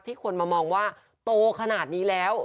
คนมามองว่าโตขนาดนี้แล้ว